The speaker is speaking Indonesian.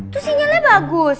tuh sinyalnya bagus